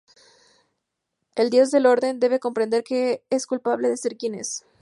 El dios del Orden debe comprender que no es culpable de ser quien es.